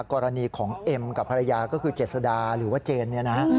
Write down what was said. กรณีของเอ็มกับภรรยาก็คือเจษดาหรือว่าเจนเนี่ยนะฮะ